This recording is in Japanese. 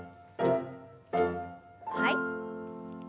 はい。